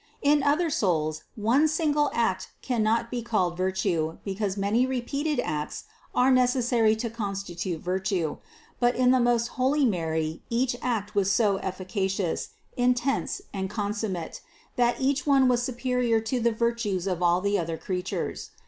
In other souls, one single act can not be called virtue, because many repeated acts are neces sary to constitute virtue ; but in the most holy Mary each act was so efficacious, intense and consummate, that each one was superior to the virtues of all the other creatures.